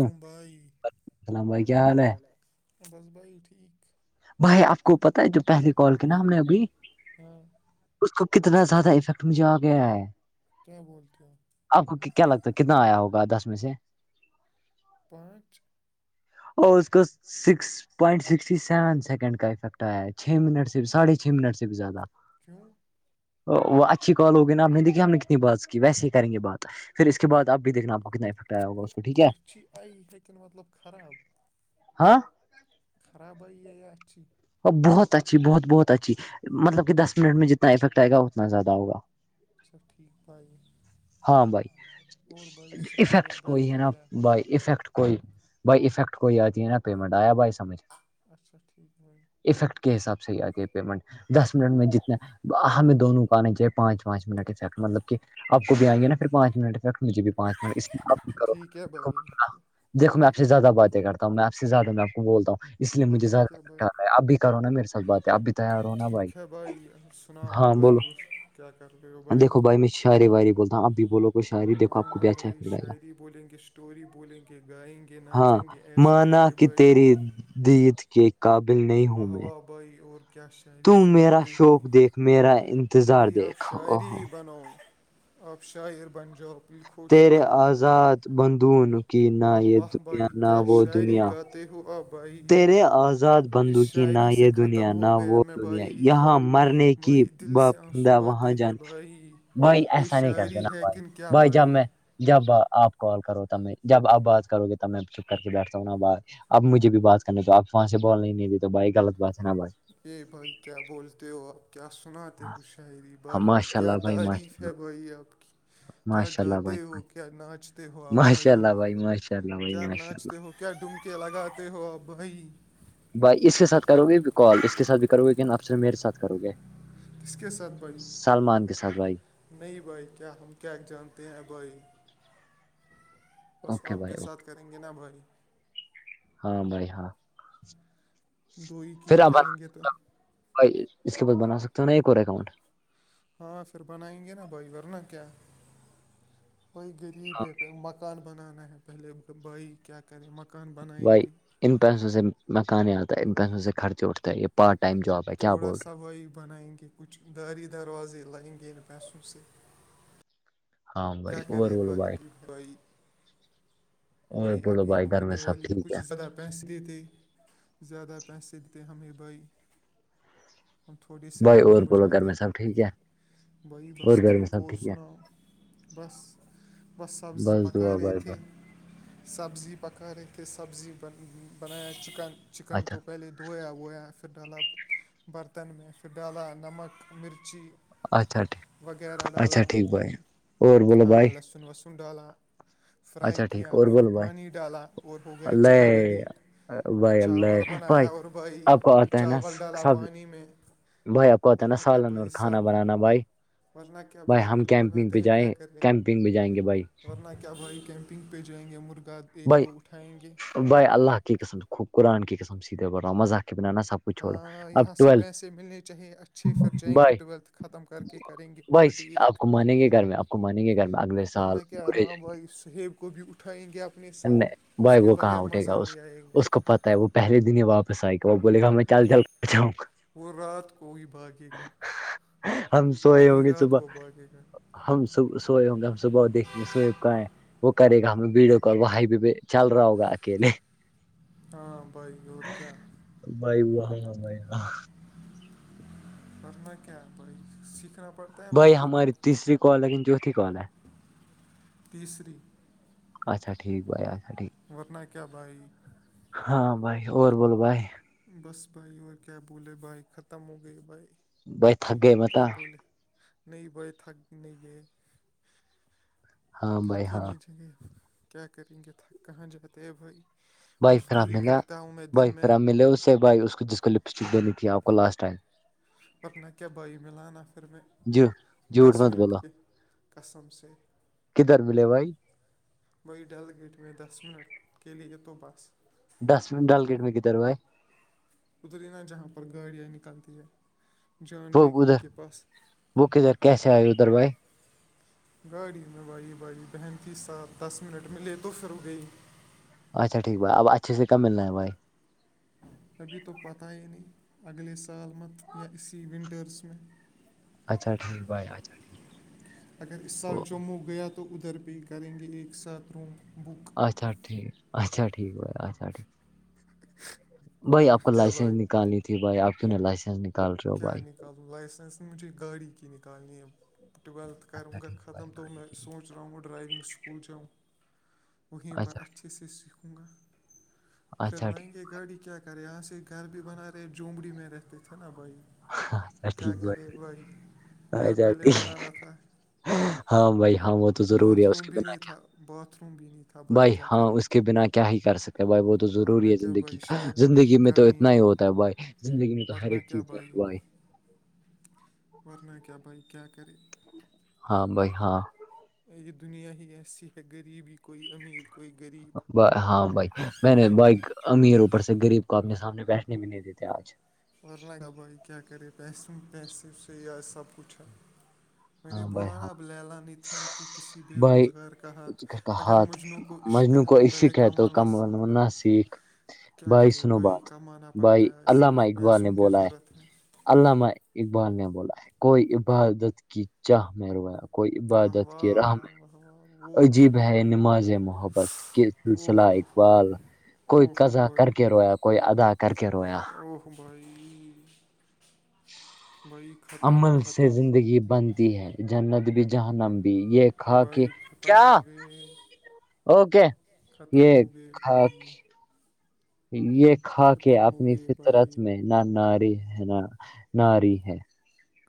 کم بھائی السلام بھائی کیا حال ہے ہے بس بھائی ٹھیک بھائی آپ کو پتا ہے جو پہلے کال کی نا ہم نے ابھی ہاں اس کو کتنا زیادہ افیکٹ مجھے آ گیا ہے کیا بولتے ہو آپ کو کیا لگتا ہے کتنا آیا ہوگا دس میں سے پانچ اور اس کا six point six seven second کا افیکٹ آیا ہے چھ منٹ سے بھی ساڑھے چھ منٹ سے بھی زیادہ کیوں وہ اچھی کال ہوگی ناپ نے دیکھی ہم نے کتنی بات کی ویے ہی کریں گے بات پھر اس کے بع آپ بھییکھنا آپ کو کتنا فر ہوگا اس کو ٹھیک ہے اچھی آئی لیکن مطلب ہاں خرابییا اچھی بہت اچھی بہت بہت اچھی مطلب دس منٹ میں جتنا افیکٹ آئے گا اتنا زیادہ ہوگا اچھا ٹھیک پائے ہاں بھائی اور بھائی سنا اور افیکٹ گھر کوئی ہے پہ نا کیا بائی چل رہا ہے افیکٹ کوئی بھائی افیکٹ کوئی آتی ہے نا پیمنٹ آیا بھائی سمجھ اچھا ٹھیک بن افیکٹ کے حساب سے ہی آتی پیمنٹ دس منٹ میں جتنے ہمیں دونوں کانے جی پانچ پانچ منٹیکٹ مطلب کہ آ کو بھی آ گے نا پھر پانچ منٹیکٹ مجھے بھی پانچ منٹ اس اب بھی ٹھیک ہے بھائی کرولہ دیکو میں آپ سے زیادہ باتیں کرتا ہوں میں آ سے زیادہ میں آپ کو بولتا ہوں اس لیے مجھے ورنہ کیا زیادہ بھائی اب بھی کرو نا میرے ساتھ بات ہے اب بھی تیار ہو نا بھائی ٹھیک ہے سناؤ آپ ہاں بھائی بولو اور کیا کر رہے ہو بھائی بائی میں سارے باریی بولتاوں اب بھی بولو کوئی شاعری دیکھو آپ کو ہاں بھی اچھا بھائی لگے گا شاعری بولیں گے اسٹوری بولیں گے گائیں گے ناچیں گے ایش کریں معانا گے کہ بھائی تیری دید کے قابل نہیں ہوں واہ میں واہ بٮ اورور کیا شاعری تو میرا سناتے ہو شوق دیکھ میرا انتظار بئی اب دیکھ شاعری ہی اوہو بناؤ آبشار بن جو لکھو تیرے شاعری بائی آزاد بندون کی نہ واہ یہ واہ بٮ دنیا نہ کیا وہ شاعری دنیا غات تیہو آب تیرے آزاد بندوک نہ سے یہ دنیا ختم نہ ہو گیا وہ میں دنیا بھائی یہاں مرنے کی بھائی دل سے باپندہ آنسو وہاں آتے ہیں جانے بھائی بھائی یہ ایسا نہیں کرتے شاعری نا ہے بھائی کن کیا بھائی جب میں جب آپ کال کرو ت میں جب آپ بات کرو گے تب میں چپ کر کے بیٹھتا ہوں اب مجھے بھی بات کرنے تو آپ وہاں سے بول نہیں دی تو بھائی لط بات ہے نا بھائی ا بھائی کیا بولتے ہو آپ کیا سناتے ہوشری ہاں بھائی ماشاء کیا اللہ بھائی تعریف ماشاء اللہ ہے بھائی آپ کیا ماشاء اللہ بھائی گاتے ہو کیا ناچتے ہو آ ماشاء بھائی اللہ ماشاء اللہ بھائی کیا ماشاء اللہ ناچتے ہو کیا ڈومکے لگاتے ہو آ بھائی بھائی اس کے ساتھ کرو گے بھی کال اس کے ساتھ بھی کرو گےیکن اف سےر میرے ساتھ کرو گے کس کے ساتھ بھائی سلمان کے ساتھ بھائی نہیں بھائی کیا ہم کیا جانتے ہیں بھائی بس اوکے آپ بھائی کے ساتھ کریں گے ن بھائی اوکے ہاں بھائی ہاں دو ہی کیا کریں گے تو ائی اس کے پاس بنا سکتے ہو نا ایک اور اکاؤنٹ ہاں پھر بنائیں گے نا بھائی ورنہ کیا کوئی غریب ہاں ہے مکان بنانا ہے پہلے بھائی کیا کریں مکان بنائیں بھائی گے ان پیسوں سے مکانے آتا ہے ان پیسوں سے خرچے اٹھتا ہے یہ پارٹ ٹائم جاب ہے کیا تھوڑا بول رہے سوائی بنائیں گے کچھ داری دروازے لائیں گے ان پیسوں سے ہو؟ ہاں کیا بھائی اور کرے بولو بھائی بائیک بائی اور بھائی اب بولو یہ بھائی گھر کمپنی میں سب والی ٹھیک کچھ ہے زدہ پیسے دتےے زیادہ پیسے دتےے ہمیں بھائی ہم تھوڑے سے بھائی اور امیر ہو بولو گھر جاتے میں سب ٹھیک ہے بھائی اور بس گھر میں ٹھیک سب اور ہے سناؤ بس بس سبزی بس پکا دعا رہے بھائی تھے بھائی سبزی پکا رہے تھے سبزی بنایا چکن چکن اچھا کو پہلے دھویا وویا پھر ڈالا برتن میں پھر ڈالا نمک مرچی اچھا ٹھیک وغیرہ اچھا ڈالا ٹھیک بھائی اور بولو ہاں بھائی لسن وسن ڈالا فرائی اچھا ٹھیک کیا اور پھر بولو بھائی پانی ڈالا اور ہو گیا چکن ریڈی اللہ بھائی چاول اللہ بنایا بھائی اور بائی آپ کو چاول ڈالا پانی میں بھیا کوت ہے نا ورنہ کیا سالن اور بھائی کانا سب بنانا بھائی ورنہ کیا بھائی ہم خود کیمپنگ بناتے پہ ہیں کیا جائیں کریں کیمپنگ پہ جائیں گے بھائی ورنہ کیا بھائی کیمپنگ پہ جائیں گے مرغا ایک دو اٹھائیں گے بائے اللہ کی قسم خو قرآن کی قسم سیدھے بڑا مذاق کے بناانا سب کچھ چھوڑو ہاں یہاں اب سے ٹویلتھ پیسے ملنے چاہیے اچھے پھر جائیں گے بھائی ٹویلتھ ختم کر کے کریں گے بھائی پارٹی آپ ایک کو مانیں گے گھر میں آپ کو مانیں گے گھر میں اگلے سال ورنہ کیا برے ہاں بھائی سہیب کو بھی اٹھائیں گے آپ نہیں بھائی وہ کہاں اٹھے گا اس آئے گا اس کو پت وہ پہل دن ہی واپس آئے گ وہ بول گا میں چل چل کر جاؤںا وہ رات کو ہی بھاگے گا ہم سوئے آدھی ہوں گے رات صبح وہ بھاگے گا ہم صب سوئے ہوں گے ہم صبح دیکھیں گے سوئےب کہ ہے وہ کرے گا ہمیں بیڑ بھائی بیبے چل رہا ہوگا اکیلے ہاں بائی اڑ کیا بھائی وہاں بھائی ہاں میں کیا ب سیکھنا ہے نا بھائی خود ہماری تیسری کال لیکن چوتھی کال ہے تیسری اچھا ٹھیکھائی اچھاٹھیک ورنہ کیا بھائی ہاں بھائی اور بولو بھائی بس بھائی اور کیا بولے بھائی ختم ہو گئے بھائی بئی تھک گے مت کیا بولے نہیں تھک نہیں ہاں تھک بھائی ہی ہاں نہیں جے کیا کریں گے تھک کہاں جاتے ہیں بھائی بائک خراب مزدوری ملا کرتا ہوں میں دن بائک میں خراب ملے اس سے ب جس کو لپسٹک دینی تھی آپ کو لاسٹ ٹائم ورنہ کیا بھائی ملاانا پھر میں جی جھوٹ دس مت منٹ بولو کے قسم سے کدھر ملے بھائی وہی ڈل گیٹ میں دس منٹ کے لیے یہ تو بس ڈسٹبن ڈالکیٹ میں گ طر بھائی اتری نہ جہاں پر گاڑیاں نکلتی ہے جان وہ بیکری ادھر کے پاس وہ کدھر کیسے آئے ادھر بھائی گاڑی میں بھائی بھائی بہن کی ساتھ دس منٹ ملے تو پھر ہو گئی اچھاٹھیک بھ اھے سے ملنا ہے بائی ابھی تو پتہ ہی نہیں اگلے سال مت یا اسی ونٹرس میں اچھا ٹھیک بھائی اچھا ٹھیک اگر اس سال جموں گیا تو ادھر پہ ہی کریں گے ایک ساتھ روم بک اچھا ٹھیک اچھا ٹھیک ہو اچھا ٹھ بھائی آپ کو ورنہ کیا لائسنس بھائی نکالنی تھی بھائی آپ کیوں لائسنس نک کیا کیا نکالوں لائسنس مجھے گاڑی کی نالنی ٹویلتھ اچھا کروں گا ٹھیک بھائی ختم تو گاڑی میں ٹھیک سوچ رہا ہوں ڈرائیونگ اسکول جاؤں وہیں پر اچھا اچھے سے سیکھوں گا پھر اچھا ٹھیک لنچ یہ گاڑی کیا کر رہے یہاں سے گھر بھی بنا رہے جھومڑی میں رہتے تھے نا بھائی اچ کیا کرے وہ گھر پہلے ٹھیک بنانا تھا ہاں بھائی ہاں وہ تو ضروری باتھ ہے اس روم کے بھی بنا نہیں کیا تھا باتھ روم بھی نہیں تھا بھائی کیا ہاں کرے اس کے بنا کیا ہی کر سکتے بھائی وہ تو ضروری ورنہ ہے کیا زندگی بھائی کا شادی بھی زندگی میں تو کرنی اتنا ہی ہوتا ہے بھائی زندگی میں تو ہر ورنہ ایک کیا چیز بھائی افوا ہے ورنہ کیا بائی کیا کرے ہاں بائی ہاں یہ دنیا ہی ایسی ہے غریب ہی کوئی امیر کوئی غریب ہاں بھائی میں نے بھائی امیر اوپر سے غریب کو اپنے سامنے بیٹھنے میں نہیں دیتے آج ورن کا بھائی کیا کرےس پیسے سے یا سب کچھ ہے میں نے ہاں بھائی بولا نا ہاں اب للا نہیں تھمتی کسی بے بھائی روزگار کا ہاتھ اگر مجھنوع کو عشق مجنوع ہے کو تو پہلے شق ہے تو کمانا کم سیکھ لو نہ سیکھ کیا بھائی کرے سنو بات کمانا بھائی پڑتا ہے اللہ صرف اقبال نے پیسوں کی بولا ہے ضرورت علامہ اقبال نے بولا ہے کوئی عبادت کی چاہ میں رویا کوئی واہ عبادت کی راہ میں واہ واہ واہ او ہو عجیب ہو ہے نماز محبت او اسلہ ہو ہو اقبال کوئی او ہو قزا بھائی کر کے رویا کوئی ادا کر کے رویا کمبائی عمل سے ختم زندگی بنتی ہے جند بھی جہنم بھی یہ کھا کے بھائی ختم کیا ہو گئے اوکے ختم یہ ہو گئے کھا بھائی یہ کھا کے ختم ہو اپنی گئے فطرت بھائی میں نہ ناری ہے نہ ناری ہے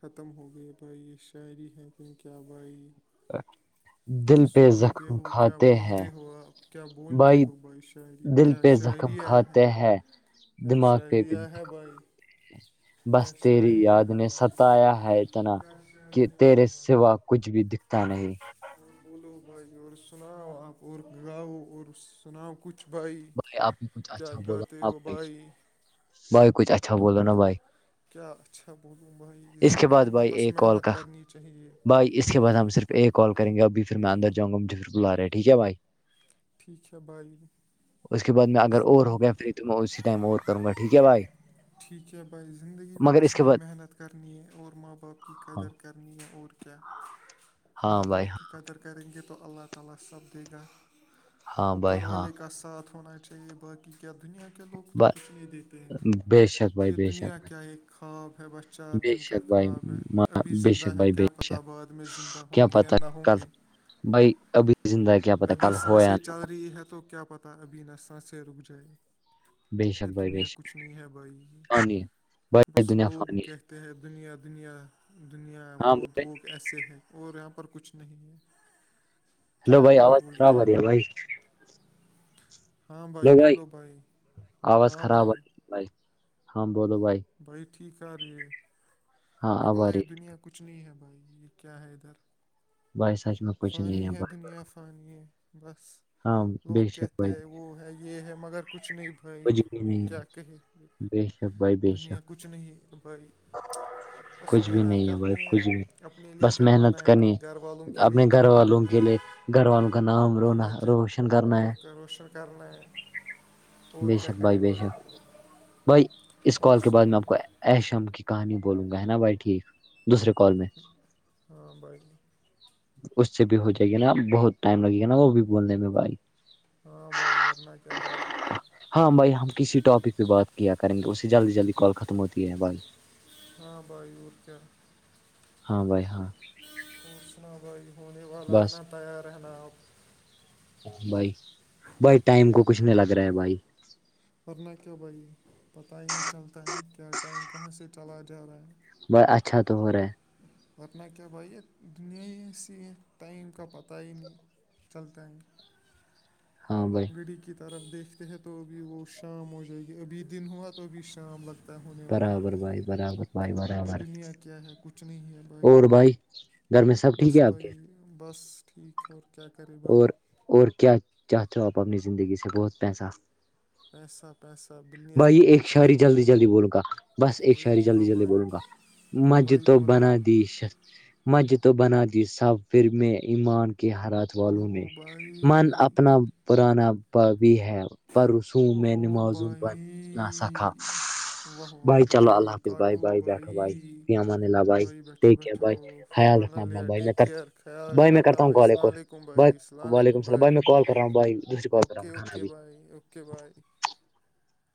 ختم ہو گئی بھائی شاعری ہے کہن کیا بھائی [inaudible] کیا پہ سناتے زخم ہو کیا کھاتے ہیں بولتے ہو آپ کیا بولتے ہو بھائی شایری دل پہ زخم کھاتے ہیں کیا دماغ پہ بھی شاعریہ ہے زخم بھائی کھاتے ہیں بس کیا تیری شاعریہ یاد ہے نے بھائی ستایا ہے اتنا کیا کہ شاعریہ ہے تیرے سوا کچھ بھی دکھتا نہیں ہاں بولو بھائی اور سناؤ آپ اور گاؤ اور سناؤ کچھ کچھ بھائی آپ نے کچھ کیا اچھا بولا گاتے نا ہو بھائی بھائی کچھ اچھا بولو نا بھائی کیا اچھا بولوم بھائی اس کے بعد زندگی میں بھائی بس ایک کال محنت کا کرنی چاہیے بھائی اس کے بعد ہم صرف ایک کالیں گے ابھی پھر میں اندر جاؤں گا مجھ پھر بلا رہے ٹھیک ہے بھائی ٹھیک ہے بھائی اس کے بعد میں اگر اور زندگی ہو گیا فری تو میں اسی ٹائم اور کروں گا ٹھیک ہے بھائی ٹھیک ہے بھائی زندگی میں مگر اس بس کے یہی بعد محنت کرنی ہے اور ماں باپ کی ہاں قدر کرنی ہے اور کیا ہے ہاں بھائی ہاں قدر کریں گے تو اللہ تعالی سب دے گا ہاں بھائی اوپر ہاں والے کا ساتھ ہونا کہ باقی کیا دنیا کے لوگ تو ب- کچھ نہیں دیتے ہیں بے شک بھائی یہ بے دنیا شک کیا ہے خواب ہے بس چار بھائی بے دن کا شک بھائی خواب ہے ما- ابھی بے زندہ شک ہے بھائی بے کیا پتہ شک بعد میں زندہ کیا ہوں گے یا پتا نہ ہوں کل گے بھائی ابھی زندہ ہے کیا پتا ابھی کل ہو سانس یا نہ چل رہی ہے تو کیا پتا ابھی نا سانس رک جائے بے شک یہ بھائی بے دنیا شک کچھ نہیں ہے بھائی یہ فانی ہے بھائی بس دنیا لوگ فانی کہتے ہیں دنیا دنیا دنیا ہے ہاں وہ بھائی، لوگ کیسے ہے اور یہاں پر کچھ نہیں ہے ہلو کیا بھائی آواز بھولتے خراب آ ہیں رہی ہے لوگ بھائی ہاں بھائی بولو بھائی آواز ہاں خراب آ بھائی رہی بھائی ہاں بولو بھائی بھائی ٹھیک ہے یہ ہاں نہیں اب آ بولا رہی یہ ہے دنیا کچھ نہیں ہے بھائی یہ کیا ہے ادھر بھائی سچ میں کچھ نہیں فانی ہے بھائی دنیا فانی ہے بس ہاں لوگ بے شک کہتے بھائی ہے وہ ہے یہ ہے مگر کچھ نہیں بھائی کچھ بھی نہیں کیا ہے کہے بے شک بھائی بے دنیا شک کچھ نہیں بھائی بس کچھ بھی محنت نہیں بھائی کرنی ہے کچھ بھی اپنے لیے بس کمانا محنت ہے اپنے کرنی گھر والوں کے اپنے لیے گھر کمانا والوں ہے کے لیے گھر والوں کا نام ورنہ رونا کیا روشن کرنا ہے رک روشن کرنا ہے اور بے کیا شک بھائی کرے بے شک بھائی اس اور کال کے بعد میں سناؤ آپ کو ایشم کی کہانی بولوں گا ہے نا بھائی ٹھیک دوسرے کال میں ہاں بھائی اس سے بھی ہو جائے گی نا بہت ٹائم لگے گا نا وہ بھی بولنے میں بھائی ہاں بھائی ورنہ کیا بھائی ہاں بھائی ہم کسی ٹاپک پہ بات کیا کریں گے اس سے جلدی جلدی کال ختم ہوتی ہے بھائی ہاں بھائی اور کیا ہاں بھائی ہاں تو سنا بھائی ہونے والا بس ہے تیار رہنا آپ بھائی بھائی ٹائم کو کچھ نہیں لگ رہا ہے بھائی ورنہ کیا بھائی پتا ہی نہیں چلتا ہے کیا ٹائم کہاں سے چلا جا رہا ہے بھائی اچھا تو ہو رہا ہے ورنہ کیا بھائی یہ دنیا ہی سے ٹائم کا پتہ ہی نہیں چلتا ہے ہاں ڑی کی طرف دیکھتے ہیں تو ابھی وہ شام ہو جائے گی ابھی دن ہوا تو ابھی شام لگتا پتہ ہونے والی ہے برابر بھائی برابر بھائی یہ برابر دنیا کیا ہے کچھ نہیں ہے بھائی گھر میں سب ٹھیک بس ہے آپ کے بھائی بس ٹھیک ہے اور کیا کریں اور اور کیا چاہتے ہو آپ اپنی زندگی سے بہت پیسہ پیسہ پیسہ بلینئر بھائی بننا ایک شہری چاہتا ہوں جلدی بھائی جلدی بولوں گا بس ایک بھائی شاہری جلدی بولو جلدی بھائی بولوں گا مج بھائی تو بولو بنا دیشت مج تو بنا دی سب پھر میں ایمان کی ہرا اوہ والوں نے اوہ من بھائی اپنا پرانا بھی ہے پر رسوم میں اوہو نمازوں بن نہ بائی سکا واہ واہ چلو اللہ بھائی حافظ بھائی کاٹو بیٹھو بھائی فی امان اللہ بھائی بیٹھو ٹیک کیئر بیٹھو بھائی خیال رکھنا اپنا لیا بھائی میں ٹیک کر کیئر خیا بھائی رکھنا میں اپنا کرتا ہوں کال بس ایک اور ل لے بھائی اللام وعلیکم لیکن السلام میں بھائی کال کر رہا ہوں بھائی دوسری کال کر رہا ہوں اوکے اٹھانا اوکے ابھی بھائی اوکے بھائی